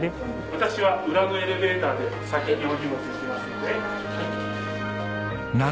私は裏のエレベーターで先にお荷物行きますんで。